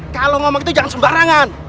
kalau ngomong itu jangan sembarangan